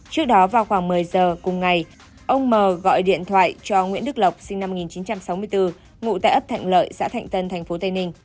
trước đó vào khoảng một mươi giờ cùng ngày ông m gọi điện thoại cho nguyễn đức lộc sinh năm một nghìn chín trăm sáu mươi bốn ngụ tại ấp thạnh lợi xã thạnh tân tp tây ninh